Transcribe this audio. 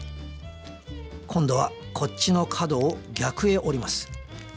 今度はこっちの角を逆へ折ります